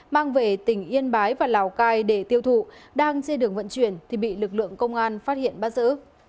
mang về tỉnh yên bái và lào cai để tiêu thụ đang trên đường vận chuyển thì bị lực lượng công an phát hiện bắt giữ